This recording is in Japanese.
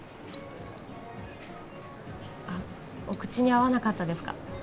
あっお口に合わなかったですか？